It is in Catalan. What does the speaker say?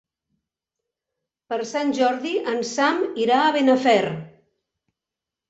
Per Sant Jordi en Sam irà a Benafer.